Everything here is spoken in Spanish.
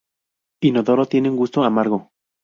Inodoro, tiene un gusto amargo.